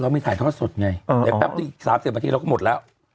เรามีถ่ายทอดสดไงเออแต่แป๊บนี้อีกสามสิบนาทีเราก็หมดแล้ว